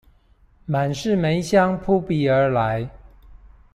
滿室梅香撲鼻而來